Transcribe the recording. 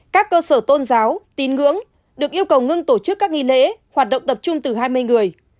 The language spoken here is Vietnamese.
các cơ sở tôn giáo tín ngưỡng được yêu cầu ngưng tổ chức các nghi lễ hoạt động tập trung từ hai mươi người